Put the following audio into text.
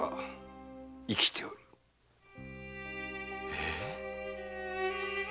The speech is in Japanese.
えっ？